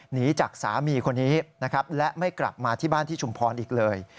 หนีจากสามีคนนี้นะครับและไม่กลับมาที่บ้านที่ชุมพรอีกเลย